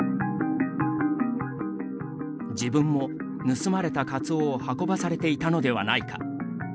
自分も盗まれたカツオを運ばされていたのではないか。